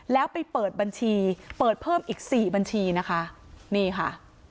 แล้วไปเปิดบัญชีเปิดเพิ่มอีกสี่บัญชีนะคะนี่ค่ะ